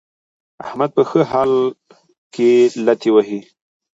احمد په ښه حال کې لتې وهي.